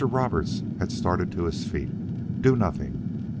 Roberts had started to his feet. "Do nothing.